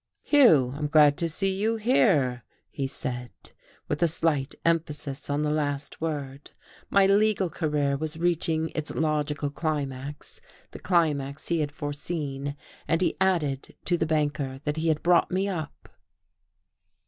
"Hugh, I'm glad to see you here," he said, with a slight emphasis on the last word. My legal career was reaching its logical climax, the climax he had foreseen. And he added, to the banker, that he had brought me up.